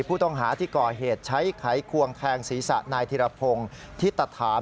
ผู้ต้องหาที่ก่อเหตุใช้ไขควงแทงศีรษะนายธิรพงศ์ธิตฐาน